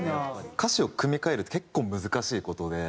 歌詞を組み替えるって結構難しい事で。